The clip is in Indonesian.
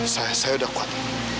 saya udah kuat